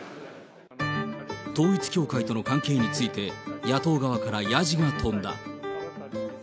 統一教会との関係について、野党側からヤジが飛んだ。